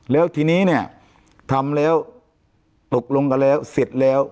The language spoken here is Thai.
แล้วทีนี้เนี่ยทำแล้วตกลงกันแล้วเสร็จแล้ว